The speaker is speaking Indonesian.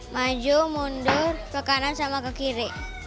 maju mundur ke kanan sama ke kiri